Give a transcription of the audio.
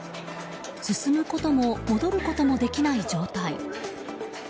進むことも戻ることもできない状態。